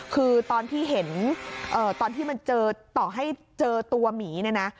คือตอนที่เห็นตอนที่ต่อให้เจอตัวหมีนะ